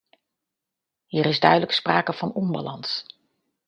Hier is duidelijk sprake van onbalans.